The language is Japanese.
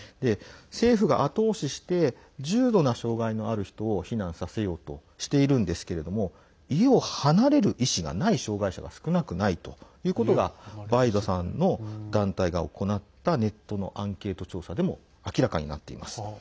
政府が後押しして重度な障害のある人を避難させようとしているんですけれども家を離れる意思がない障害者が少なくないということがバイダさんの団体が行ったネットのアンケート調査でも明らかになっています。